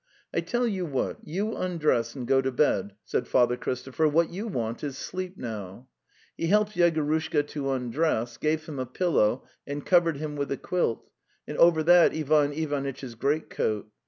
'T tell you what, you undress and go to bed," said " said Ivan 288 The Tales of Chekhov Father Christopher. '' What you want is sleep now." He helped Yegorushka to undress, gave him a pillow and covered him with a quilt, and over that Ivan Ivanitch's great coat.